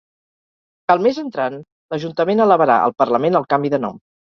El mes entrant l’ajuntament elevarà al parlament el canvi de nom.